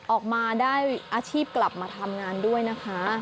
ออกมาได้อาชีพกลับมาทำงานด้วยนะคะ